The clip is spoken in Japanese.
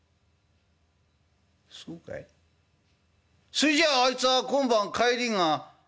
そいじゃああいつは今晩帰りが遅いのかい？